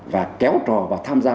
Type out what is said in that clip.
và kéo trò vào tham gia